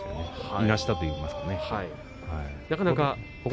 いなしたといいますかね。